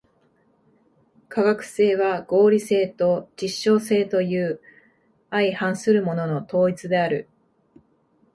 科学性は合理性と実証性という相反するものの統一である。